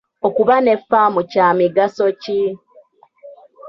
Okuba ne ffaamu kya migaso ki?